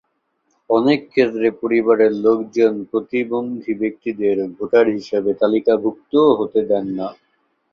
অনেক ক্ষেত্রে পরিবারের লোকজন প্রতিবন্ধী ব্যক্তিদের ভোটার হিসেবে তালিকাভুক্তও হতে দেন না।